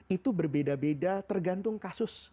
itu berbeda beda tergantung kasus